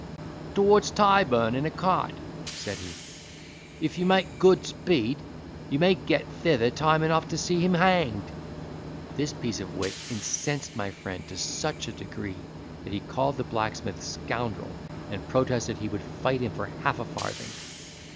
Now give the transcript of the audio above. "Towards Tyburn in a cart," said he, "if you make good speed, you may get thither time enough to see him hanged." This piece of wit incensed my friend to such a degree, that he called the blacksmith scoundrel, and protested he would fight him for half a farthing.